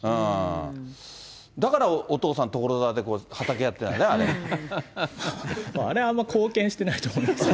だからお父さん、所沢で畑やってあれはあんまり貢献貢献してないの？